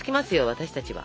私たちは。